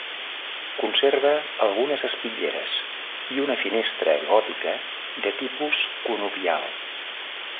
Conserva algunes espitlleres i una finestra gòtica de tipus conopial.